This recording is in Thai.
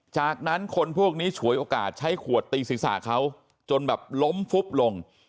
จากนั้นคนพวกนี้ฉวยโอกาสใช้ขวดตีศีรษะเขาจนแบบล้มฟุบลง